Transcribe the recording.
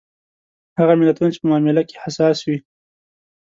هغه ملتونه چې په معامله کې حساس وي.